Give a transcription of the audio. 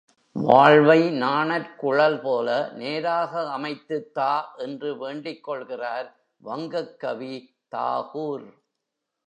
வாழ்வை நாணற்குழல்போல நேராக அமைத்துத் தா! என்று வேண்டிக்கொள்கிறார் வங்கக்கவி தாகூர்.